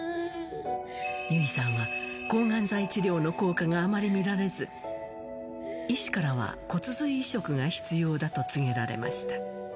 優生さんは抗がん剤治療の効果があまり見られず、医師からは骨髄移植が必要だと告げられました。